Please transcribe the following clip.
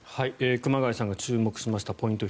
熊谷さんが注目しましたポイント